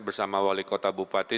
bersama wali kota bupati